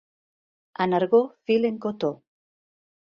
A Nargó filen cotó.